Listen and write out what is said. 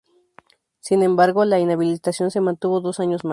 Sin embargo, la inhabilitación se mantuvo dos años más.